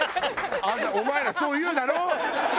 お前らそう言うだろ？